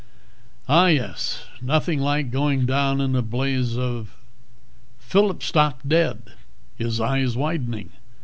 "Ah, yes. Nothing like going down in a blaze of " Phillip stopped dead, his eyes widening.